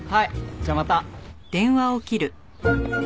じゃあまた。